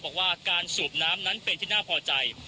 บอกว่าการสูบน้ำนั้นเป็นที่น่าพอใจ